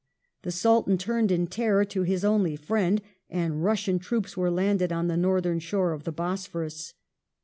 The Sultan turned in terror to his only " friend," and Russian troops were landed on the Northern shore of the Bosphorus.